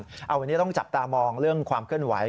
วันนี้ต้องจับตามองเรื่องความเคลื่อนไหว